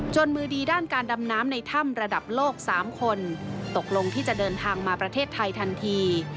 มือดีด้านการดำน้ำในถ้ำระดับโลก๓คนตกลงที่จะเดินทางมาประเทศไทยทันที